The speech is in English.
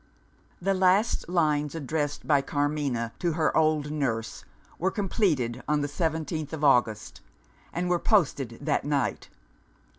The last lines addressed by Carmina to her old nurse were completed on the seventeenth of August, and were posted that night.